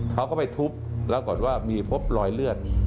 เขาก็ไปทุบปรากฏว่ามีพบรอยเลือด